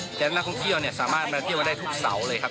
เพราะฉะนั้นลักษณ์ที่เราสามารถมาเที่ยวกันได้ทุกเสาร์เลยครับ